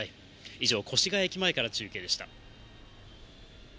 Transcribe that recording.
以上、越谷駅前から中継でした。